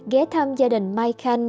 ghé thăm gia đình mai khanh